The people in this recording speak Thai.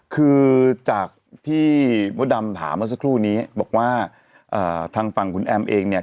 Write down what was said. คือจากที่มดดำถามเมื่อสักครู่นี้บอกว่าทางฝั่งคุณแอมเองเนี่ย